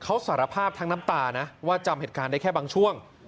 เขาสารภาพทั้งน้ำตานะว่าจำเหตุการณ์ได้แค่บางช่วง